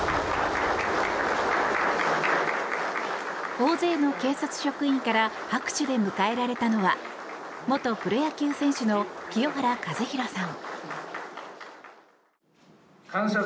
大勢の警察職員から拍手で迎えられたのは元プロ野球選手の清原和博さん。